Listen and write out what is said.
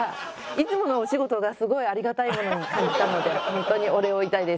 いつものお仕事がすごいありがたいものに感じたのでホントにお礼を言いたいです。